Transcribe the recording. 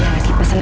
mas duduk sini